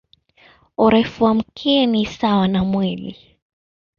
Urefu wa mkia ni sawa na mwili.